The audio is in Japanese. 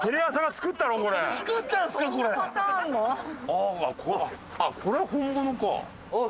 あああっこれは本物か。